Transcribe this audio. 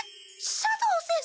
斜堂先生